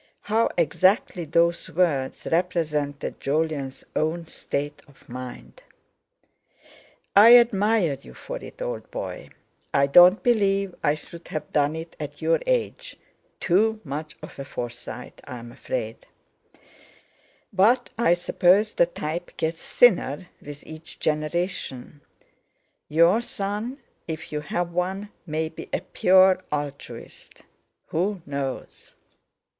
How exactly those words represented Jolyon's own state of mind "I admire you for it, old boy. I don't believe I should have done it at your age—too much of a Forsyte, I'm afraid. But I suppose the type gets thinner with each generation. Your son, if you have one, may be a pure altruist; who knows?"